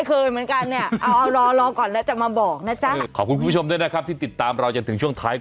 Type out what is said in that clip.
เอาไหมกูจะเอาไหม